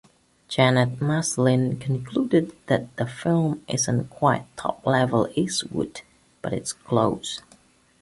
Janet Maslin concluded that the film isn't quite top-level Eastwood, but it's close.